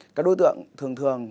các đối tượng thường thường